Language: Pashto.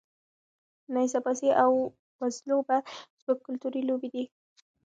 نیزه بازي او وزلوبه زموږ کلتوري لوبې دي.